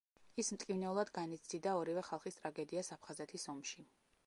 ის მტკივნეულად განიცდიდა ორივე ხალხის ტრაგედიას აფხაზეთის ომში.